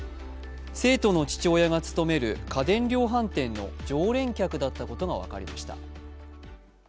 生徒の父親が勤める家電量販店の常連客だったことが分かりました。